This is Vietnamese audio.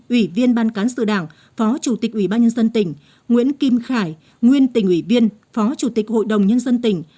ủy viên ban cán sự đảng phó chủ tịch ủy ban nhân dân tỉnh nguyễn kim khải nguyên tỉnh ủy viên phó chủ tịch hội đồng nhân dân tỉnh